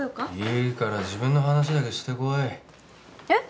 いいから自分の話だけしてこいえっ